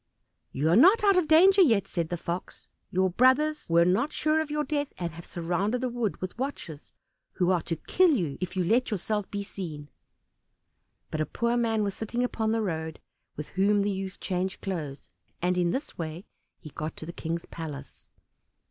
"You are not out of all danger yet," said the Fox. "Your brothers were not sure of your death, and have surrounded the wood with watchers, who are to kill you if you let yourself be seen." But a poor man was sitting upon the road, with whom the youth changed clothes, and in this way he got to the King's palace.